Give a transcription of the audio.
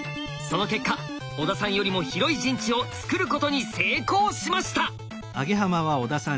その結果小田さんよりも広い陣地をつくることに成功しました！